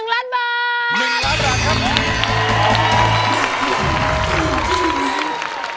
๑ล้านบาท